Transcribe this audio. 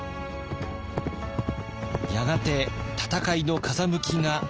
やがて戦いの風向きが変わります。